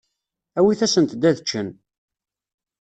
Awit-asent-d ad ččen.